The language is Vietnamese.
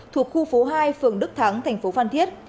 thuộc khu phố hai phường đức thắng thành phố phan thiết